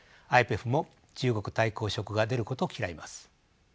ＩＰＥＦも中国対抗色が出ることを嫌います。